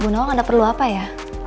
bu nawang anda perlu apa ya